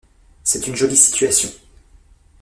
C’est une jolie situation…